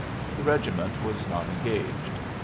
The regiment was not engaged.